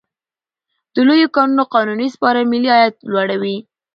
د لویو کانونو قانوني سپارل ملي عاید لوړوي.